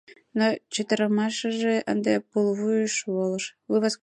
Но чытырымашыже ынде пулвуйыш волыш.